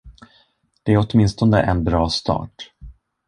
Det är åtminstone en bra start.